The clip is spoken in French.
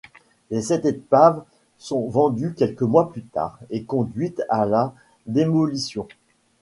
Les sept épaves sont vendues quelques mois plus tard et conduites à la démolition.